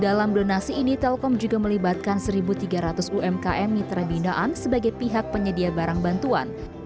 dalam donasi ini telkom juga melibatkan satu tiga ratus umkm mitra binaan sebagai pihak penyedia barang bantuan